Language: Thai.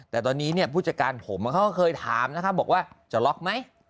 แต่ตอนนี้เนี่ยผู้จัดการผมเขาก็เคยถามนะครับบอกว่าจะล็อกไหม